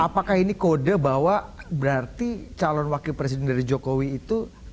apakah ini kode bahwa berarti calon wakil presiden dari jokowi itu